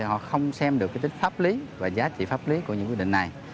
họ không xem được tích pháp lý và giá trị pháp lý của những quyết định này